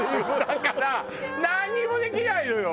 だから何もできないのよ